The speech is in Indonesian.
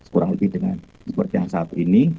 kurang lebih dengan seperti yang saat ini